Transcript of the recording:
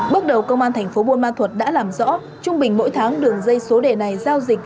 bước đầu công an thành phố buôn ma thuật đã làm rõ trung bình mỗi tháng đường dây số đề này giao dịch